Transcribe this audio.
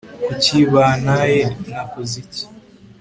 kuki bantaye, nakoze iki